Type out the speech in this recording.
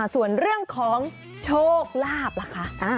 ส่วนเรื่องของโชคลาภล่ะคะ